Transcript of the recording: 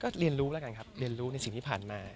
ก็เรียนรู้แล้วกันครับเรียนรู้ในสิ่งที่ผ่านมา